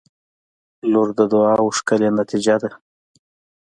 • لور د دعاوو ښکلی نتیجه ده.